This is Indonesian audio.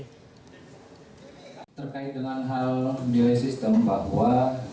terkait dengan hal biaya sistem bahwa